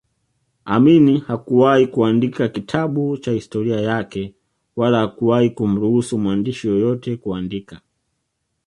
Amin hakuwahi kuandika kitabu cha historia yake wala hakuwahi kumruhusu mwandishi yeyote kuandika